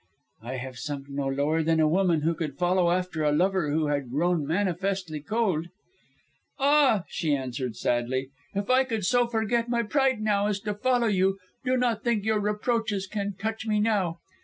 "I have sunk no lower than a woman who could follow after a lover who had grown manifestly cold." "Ah," she answered sadly, "if I could so forget my pride as to follow you, do not think your reproaches can touch me now."